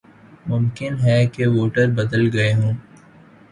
ممکن ہے کہ ووٹر بدل گئے ہوں۔